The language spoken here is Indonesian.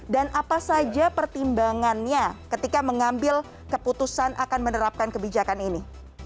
dan apa saja pertimbangannya ketika mengambil keputusan akan menerapkan kebijakan ini